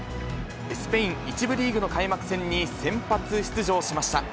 スペイン１部リーグの開幕戦に先発出場しました。